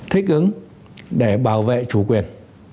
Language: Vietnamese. thích ứng để bảo vệ chủ quyền